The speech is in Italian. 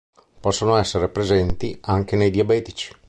Possono essere presenti anche nei diabetici.